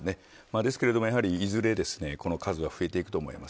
ですが、いずれこの数は増えていくと思います。